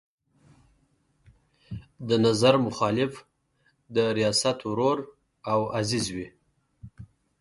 د نظر مخالف د ریاست ورور او عزیز وي.